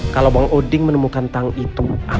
kalau bang odin menemukan tang itu ambilnya pakai plastik